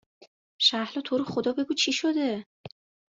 شهلا تو رو خدا بگو چی شده؟